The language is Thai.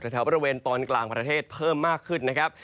แถวบริเวณตอนกลางประเทศเพิ่มมากขึ้นนะครับ